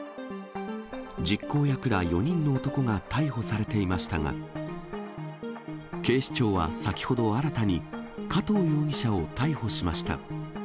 実行役ら４人の男が逮捕されていましたが、警視庁は先ほど新たに、加藤容疑者を逮捕しました。